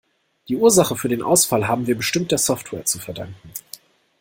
Die Ursache für den Ausfall haben wir bestimmt der Software zu verdanken.